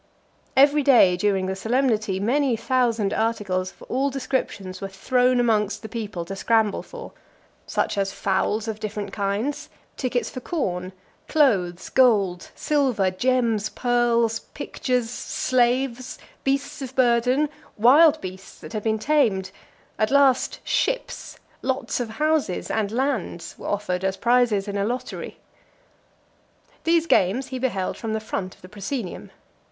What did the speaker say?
Every day during the solemnity, many thousand articles of all descriptions were thrown amongst the people to scramble for; such as fowls of different kinds, tickets for corn, clothes, gold, silver, gems, pearls, pictures, slaves, beasts of burden, wild beasts that had been tamed; at last, ships, lots of houses, and lands, were offered as prizes in a lottery. XII. These games he beheld from the front of the proscenium.